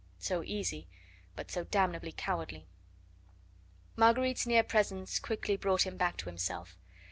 So easy but so damnably cowardly. Marguerite's near presence quickly brought him back to himself.